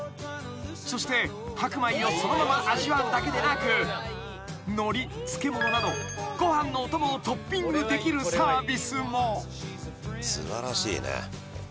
［そして白米をそのまま味わうだけでなくのり漬物などご飯のお供をトッピングできるサービスも］素晴らしいね。